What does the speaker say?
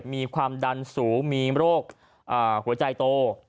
มีความดันสูงมีโรคหัวใจโต